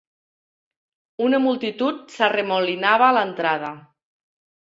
Una multitud s'arremolinava a l'entrada.